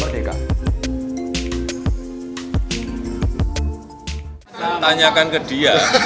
tanyakan ke dia